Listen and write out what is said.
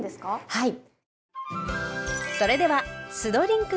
はい。